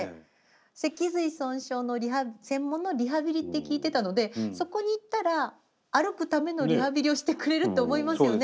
脊髄損傷の専門のリハビリって聞いてたのでそこに行ったら歩くためのリハビリをしてくれるって思いますよね。